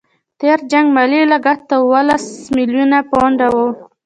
د تېر جنګ مالي لګښت اوولس میلیونه پونډه وو.